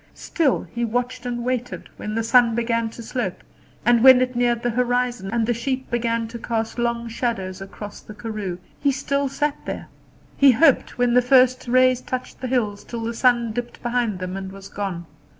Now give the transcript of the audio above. Still he watched and waited when the sun began to slope, and when it neared the horizon and the sheep began to cast long shadows across the karoo, he still sat there. He hoped when the first rays touched the hills till the sun dipped behind them and was gone.